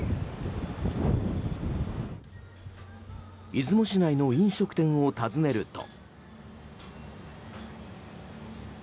出雲市内の飲食店を訪ねると。